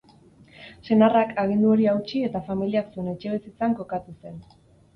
Senarrak agindu hori hautsi eta familiak zuen etxebizitzan kokatu zen.